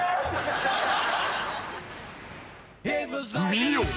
［見よ。